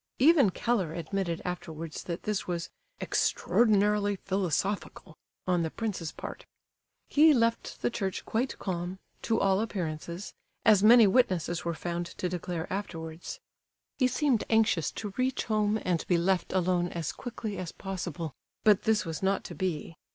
Even Keller admitted afterwards that this was "extraordinarily philosophical" on the prince's part. He left the church quite calm, to all appearances, as many witnesses were found to declare afterwards. He seemed anxious to reach home and be left alone as quickly as possible; but this was not to be.